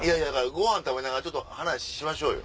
ごはん食べながらちょっと話しましょうよ。